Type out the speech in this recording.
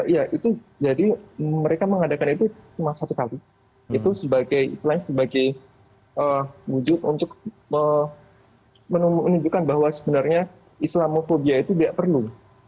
ya itu jadi mereka mengadakan itu cuma satu kali itu sebagai wujud untuk menunjukkan bahwa sebenarnya islamofobia itu tidak perlu